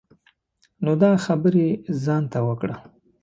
نو دا خبری ځان ته وکړه.